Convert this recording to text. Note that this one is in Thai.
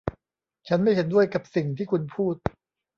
ฉันไม่เห็นด้วยกับสิ่งที่คุณพูด